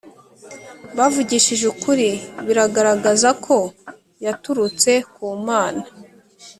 bavugishije ukuri bigaragaza ko yaturutse ku Mana